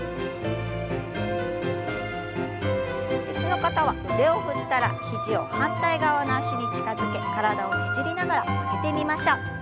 椅子の方は腕を振ったら肘を反対側の脚に近づけ体をねじりながら曲げてみましょう。